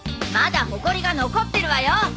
まだほこりが残ってるわよ！